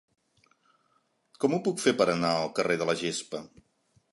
Com ho puc fer per anar al carrer de la Gespa?